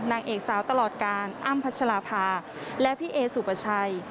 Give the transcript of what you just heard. นางเอกสาวตลอดการอ้ำพัชราภาและพี่เอสุปชัย